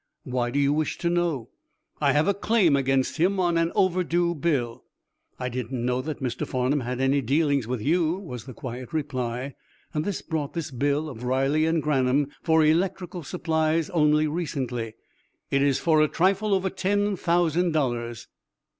"Why do you wish to know?" "I have a claim against him on an overdue bill." "I didn't know that Mr. Farnum had any dealings with you," was the quiet reply. "I bought this bill of Riley and Grannan for electrical supplies only recently. It is for a trifle over ten thousand dollars."